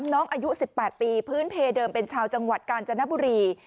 น้องอายุ๑๘ปีพื้นเพเดิมเป็นชาวจังหวัดกาญจนบุรี